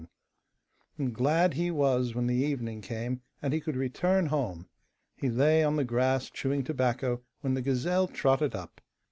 And glad he was when the evening came, and he could return home. He lay on the grass chewing tobacco, when the gazelle trotted up.